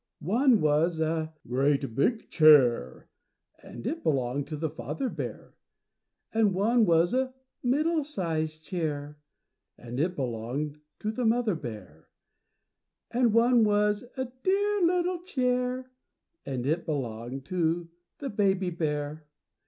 One was a GREAT BIG CHAIR, and it belonged to the father bear. And one was a +middling sized chair+, and it belonged to the mother bear, and one was a dear little chair, and it belonged to the baby bear.